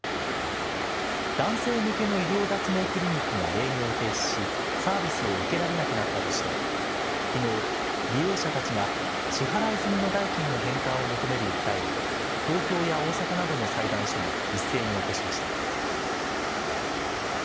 男性向けの医療脱毛クリニックが営業を停止し、サービスを受けられなくなったとして、きのう、利用者たちが支払い済みの代金の返還を求める訴えを、東京や大阪などの裁判所に一斉に起こしました。